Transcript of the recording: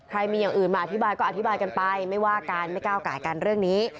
มีอย่างอื่นมาอธิบายก็อธิบายกันไปไม่ว่ากันไม่ก้าวกายกันเรื่องนี้